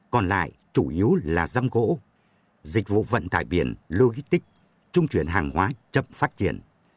còn lại chủ yếu là răm gỗ dịch vụ vận tải biển logistic trung chuyển hàng hóa chậm phát triển